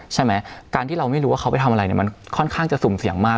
ใช่ไหมการที่เราไม่รู้ว่าเขาไปทำอะไรเนี่ยมันค่อนข้างจะสุ่มเสี่ยงมาก